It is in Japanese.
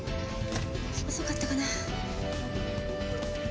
遅かったかな。